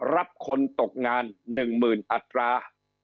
รับคนตกงาน๑๐๐๐อัตรา